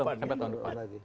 ya belum sampai tahun depan